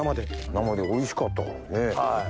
生でおいしかったからね。